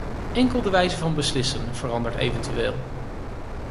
Enkel de wijze van beslissen verandert eventueel.